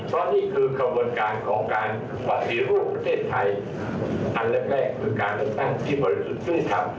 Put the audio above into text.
เพราะนี่คือกระบวนการของการปฏิรูปประเทศไทยอันแรกคือการตั้งที่บริษัทธิภาพ